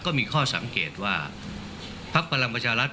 ก็มีข้อสังเกตว่าพักพลังประชารัฐ